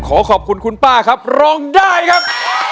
ขอขอบคุณคุณป้าครับร้องได้ครับ